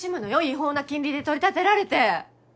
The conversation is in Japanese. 違法な金利で取り立てられて。